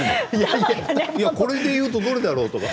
これでいうとどこだろうとか。